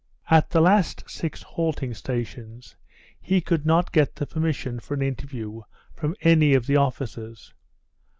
At the last six halting stations he could not get the permission for an interview from any of the officers.